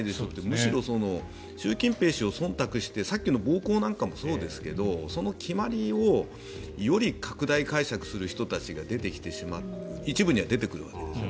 むしろ習近平氏をそんたくしてさっきの暴行なんかもそうですがその決まりをより拡大解釈する人たちが一部には出てくるわけです。